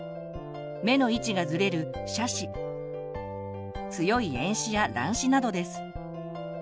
目の位置がずれる斜視強い遠視や乱視などです。